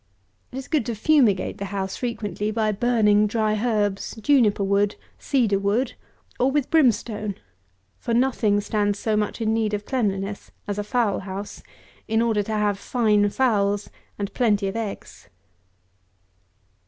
It is good to fumigate the house frequently by burning dry herbs, juniper wood, cedar wood, or with brimstone; for nothing stands so much in need of cleanliness as a fowl house, in order to have fine fowls and plenty of eggs.